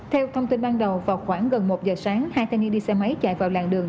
theo thông tin ban đầu vào khoảng gần một giờ sáng hai thanh niên đi xe máy chạy vào làng đường